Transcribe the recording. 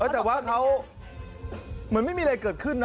แต่ว่าเขาเหมือนไม่มีอะไรเกิดขึ้นนะ